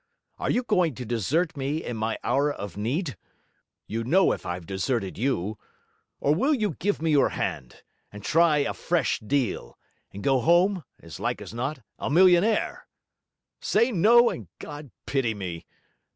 Are you going to desert me in my hour of need? you know if I've deserted you or will you give me your hand, and try a fresh deal, and go home (as like as not) a millionaire? Say no, and God pity me!